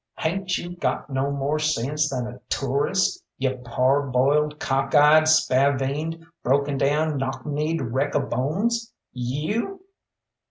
Hain't you got no more sense than a toorist, you parboiled, cock eyed, spavined, broken down, knock kneed wreck o' bones? You